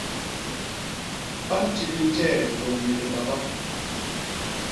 Ba ntibil njee lôñni libaba.